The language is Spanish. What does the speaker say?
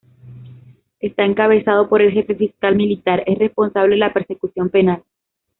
Está encabezado por el Jefe Fiscal Militar, es responsable de la persecución penal.